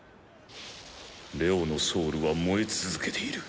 レオのソウルは燃え続けている。